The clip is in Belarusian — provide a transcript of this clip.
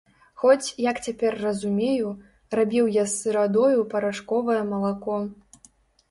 Хоць, як цяпер разумею, рабіў я з сырадою парашковае малако.